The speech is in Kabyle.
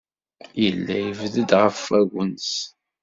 Yella yebded ɣef wagens.